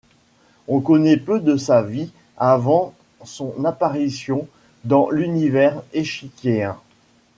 On connaît peu de sa vie avant son apparition dans l'univers échiquéen.